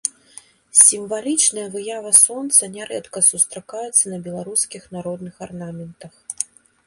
Сімвалічная выява сонца нярэдка сустракаецца на беларускіх народных арнаментах.